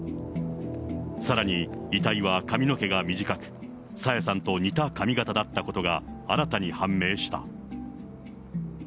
さらに遺体は髪の毛が短く、朝芽さんと似た髪形だったことが、新たに判明した。